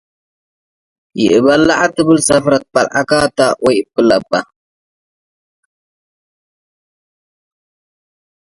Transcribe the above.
“ይእበለዐ” ትብል ሰፍረ ተበልዐከ ተ፡ ወይእብለፖ